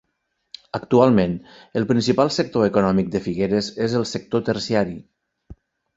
Actualment, el principal sector econòmic de Figueres és el sector terciari.